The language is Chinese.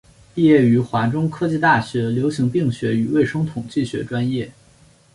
毕业于华中科技大学流行病学与卫生统计学专业。